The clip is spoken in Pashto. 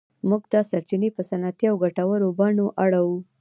موږ دا سرچینې په صنعتي او ګټورو بڼو اړوو.